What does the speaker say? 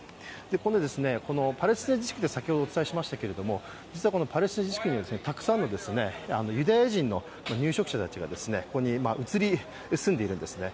このパレスチナ自治区で、先ほどお伝えしましたけれども、実はこちらにはたくさんのユダヤ人の入植者たちがここに移り住んでいるんですね。